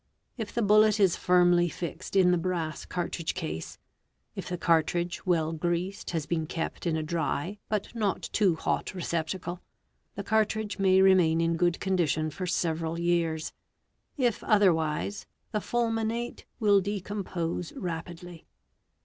If the bullet is firmly fixed in the brass cartridge case, if the cartridge, well greased, has been kept in a dry but not too hot receptacle, the cartridge may remain in good condition for several years; if otherwise, the fulminate ~ will decompose rapidly.